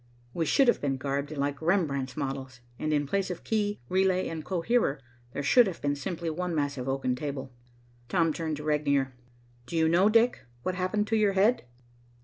We should have been garbed like Rembrandt's models, and in place of key, relay and coherer, there should have been simply one massive oaken table. Tom turned to Regnier. "Do you know, Dick, what happened to your head?"